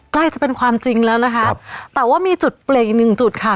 ใกล้จะเป็นความจริงแล้วนะคะแต่ว่ามีจุดเปลี่ยนอีกหนึ่งจุดค่ะ